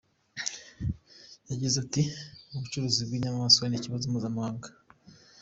Yagize ati “Ubucuruzi bw’inyamaswa ni ikibazo mpuzamahanga.